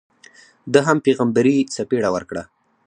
ده هم پیغمبري څپېړه ورکړه.